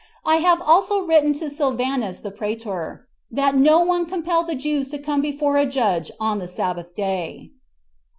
I have also written to Sylvanus the praetor, that no one compel the Jews to come before a judge on the sabbath day."